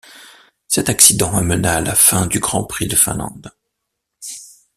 Cet accident amena la fin du Grand Prix de Finlande.